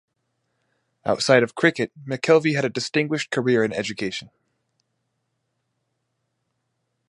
Outside of cricket, McKelvey had a distinguished career in education.